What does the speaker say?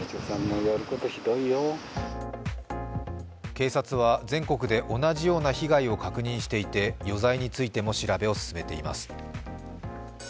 警察は全国で同じような被害を確認していて余罪についても調べを進めています。